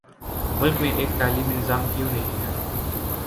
ملک میں ایک تعلیمی نظام کیوں نہیں ہے؟